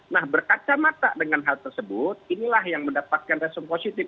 nah berkacamata dengan hal tersebut inilah yang mendapatkan resum positif